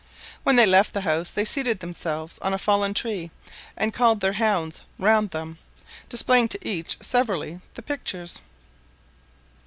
When they left the house they seated themselves on a fallen tree, and called their hounds round them, displaying to each severally the pictures.